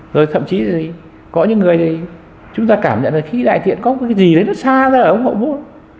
rồi thậm chí thì gì có những người thì chúng ta cảm nhận là khi đại diện có cái gì đấy nó xa ra ở ống bộ bút